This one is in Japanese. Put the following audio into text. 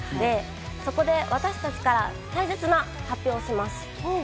そこで私たちから大切な発表をします。